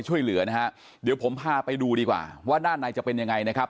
ช่วยเหลือนะฮะเดี๋ยวผมพาไปดูดีกว่าว่าด้านในจะเป็นยังไงนะครับ